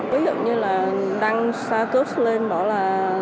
ví dụ như là đăng status lên bảo là